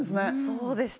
そうでした